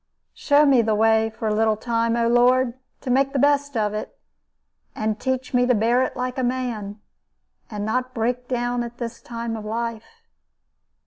Show me the way for a little time, O Lord, to make the best of it; and teach me to bear it like a man, and not break down at this time of life.